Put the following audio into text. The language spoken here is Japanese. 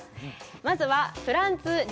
まずはフランツ・リスト。